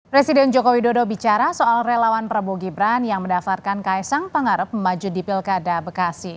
presiden jokowi dodo bicara soal relawan prabowo gibran yang mendaftarkan kaisang pangarep maju di pilkada bekasi